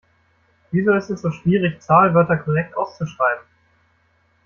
Wieso ist es so schwierig, Zahlwörter korrekt auszuschreiben?